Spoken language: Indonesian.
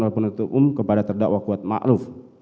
oleh penentu umum kepada terdakwa kuat maklum